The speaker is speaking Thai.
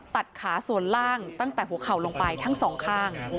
ตัดขาส่วนล่างตั้งแต่หัวเข่าลงไปทั้งสองข้าง